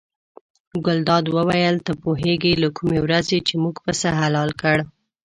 ګلداد وویل ته پوهېږې له کومې ورځې چې موږ پسه حلال کړ.